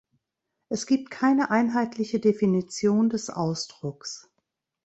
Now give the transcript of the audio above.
Es gibt keine einheitliche Definition des Ausdrucks.